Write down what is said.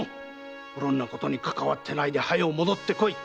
うろんなことにかかわってないで早う戻ってこい。